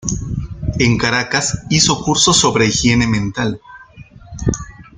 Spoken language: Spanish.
En Caracas hizo cursos sobre higiene mental.